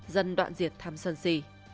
dân đoạn diệt tham sân si